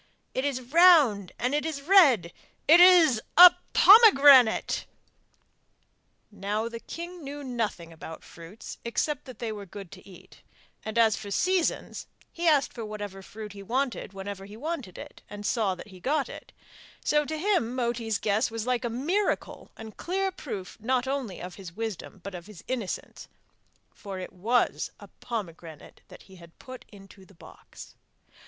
It is round and it is red! It is a pomegranate!' Now the king knew nothing about fruits except that they were good to eat; and, as for seasons, he asked for whatever fruit he wanted whenever he wanted it, and saw that he got it; so to him Moti's guess was like a miracle, and clear proof not only of his wisdom but of his innocence, for it was a pomegranate that he had put into the box.